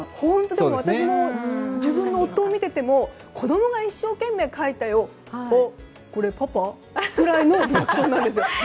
自分の夫を見ていても子供が一生懸命描いた絵をこれパパ？ぐらいのリアクションなんです。